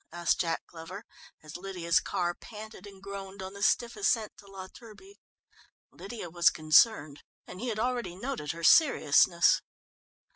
asked Jack Glover, as Lydia's car panted and groaned on the stiff ascent to La Turbie. Lydia was concerned, and he had already noted her seriousness.